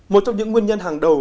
một trong những nguyên nhân hàng đầu